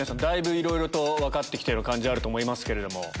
だいぶいろいろ分かって来た感じあると思いますけれども。